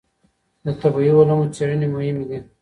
د طبعي علومو څېړنې مهمې دي.